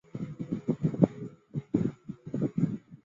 属茫部路。